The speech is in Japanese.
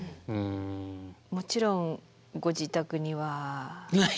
もちろんご自宅には？